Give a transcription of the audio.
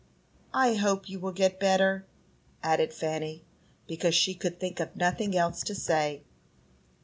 "I hope you will get better," added Fanny, because she could think of nothing else to say.